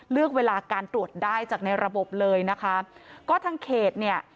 เลือกเวลาการตรวจได้จากในระบบเลยนะคะก็ทางเขตเนี่ย